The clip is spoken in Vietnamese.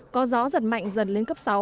có gió giật mạnh dần lên cấp sáu